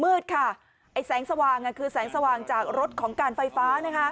มืดค่ะไอ้แสงสว่างคือแสงสว่างจากรถของการไฟฟ้า